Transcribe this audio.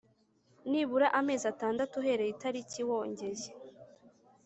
nibura amezi atandatu uhereye itariki wongeye